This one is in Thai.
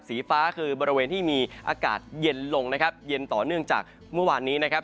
สีฟ้าคือบริเวณที่มีอากาศเย็นลงนะครับเย็นต่อเนื่องจากเมื่อวานนี้นะครับ